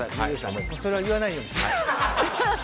それは言わないように。